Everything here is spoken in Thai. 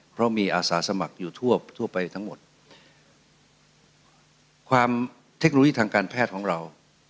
เพราะมีอาสาสมัครอยู่ทั่วทั่วไปทั้งหมดความเทคโนโลยีทางการแพทย์ของเรา